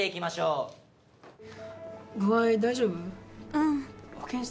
うん。